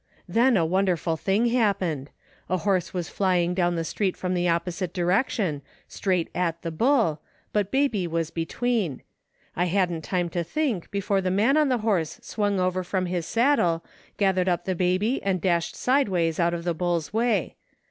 Then a wonderful thing happened. A horse was flying down the street from the opposite direction, straight at the bull, but baby was between. I hadn't time to think before the man on the horse swung over from his saddle, gathered up the baby and dashed sideways out of the bull's way.